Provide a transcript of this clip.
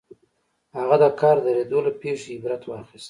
هغه د کار د درېدو له پېښې عبرت واخيست.